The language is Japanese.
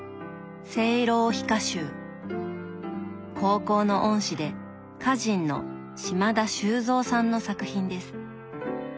高校の恩師で歌人の島田修三さんの作品です。